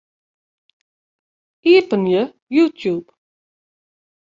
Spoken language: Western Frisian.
Iepenje YouTube.